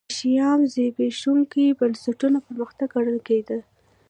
د شیام زبېښونکي بنسټونه پرمختګ ګڼل کېده.